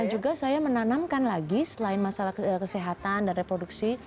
juga saya menanamkan lagi selain masalah kesehatan dan reproduksi